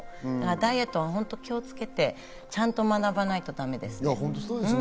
ダイエットは気をつけて、ちゃんと学ばないとだめですね。